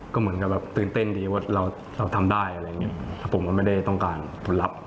ก็เหมือนกับตื่นเต้นที่ว่าเราทำได้ผมก็ไม่ได้ต้องการผลลัพธ์